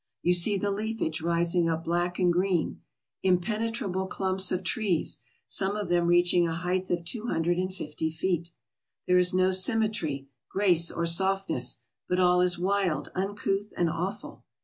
You see the leafage rising up black and green; impenetrable clumps of trees, some of them reaching a height of two hundred and fifty feet. There is no sym metry, grace or softness, but all is wild, uncouth, and awful.